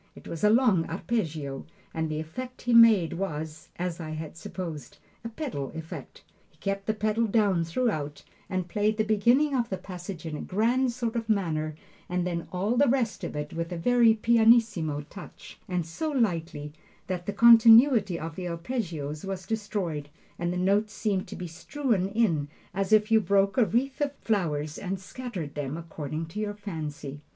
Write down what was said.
It was a long arpeggio, and the effect he made was, as I had supposed, a pedal effect. He kept the pedal down throughout, and played the beginning of the passage in a grand sort of manner, and then all the rest of it with a very pianissimo touch, and so lightly, that the continuity of the arpeggios was destroyed, and the notes seemed to be just strewn in, as if you broke a wreath of flowers and scattered them according to your fancy.